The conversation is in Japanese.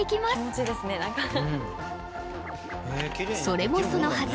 それもそのはず